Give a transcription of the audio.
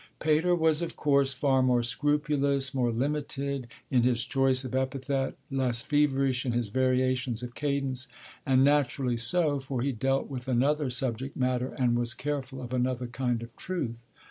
Pater was of course far more scrupulous, more limited, in his choice of epithet, less feverish in his variations of cadence; and naturally so, for he dealt with another subject matter and was careful of another kind of truth.